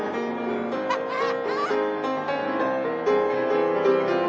ハハハッ！